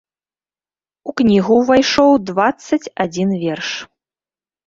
У кнігу ўвайшоў дваццаць адзін верш.